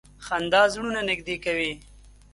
• خندا زړونه نږدې کوي.